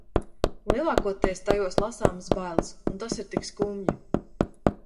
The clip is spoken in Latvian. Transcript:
Lielākoties tajos lasāmas bailes un tas ir tik skumji.